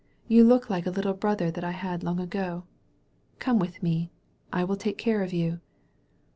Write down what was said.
You look like a little brother that I had long ago. Come with me. I will take care of you."